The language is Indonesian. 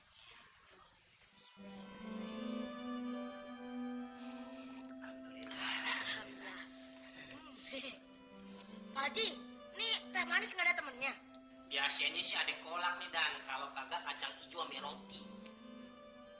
kalau kagak ajang hijau ni roti